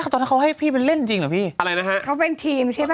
ตอนนั้นเขาให้พี่ไปเล่นจริงเหรอพี่อะไรนะฮะเขาเป็นทีมใช่ป่